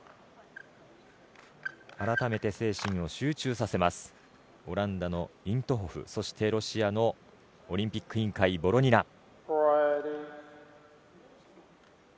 改めて、精神を集中させますオランダのイント・ホフそしてロシアのオリンピック委員会、ボロニナ。